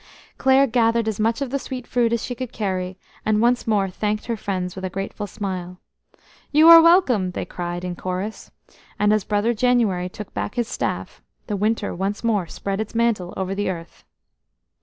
Clare gathered as much of the sweet fruit as she could carry, and once more thanked her friends with a grateful smile. "You are welcome," they cried in chorus, and as Brother January took back his staff the winter once more spread its mantle over the earth.